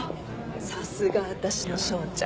さすが私の彰ちゃん。